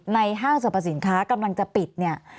ในห้างสรรพสินค้ากำลังจะปิด